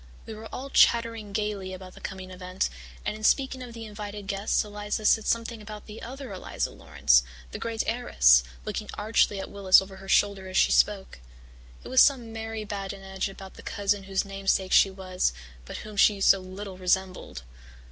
We were all chattering gaily about the coming event, and in speaking of the invited guests Eliza said something about the other Eliza Laurance, the great heiress, looking archly at Willis over her shoulder as she spoke. It was some merry badinage about the cousin whose namesake she was but whom she so little resembled.